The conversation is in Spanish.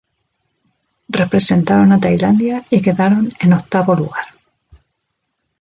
Representaron a Tailandia y quedaron en octavo lugar.